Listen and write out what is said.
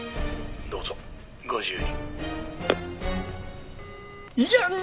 「どうぞご自由に」やん！